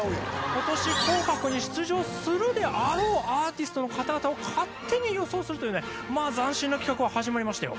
ことし『紅白』に出場するであろうアーティストの方々を勝手に予想するというね斬新な企画が始まりましたよ。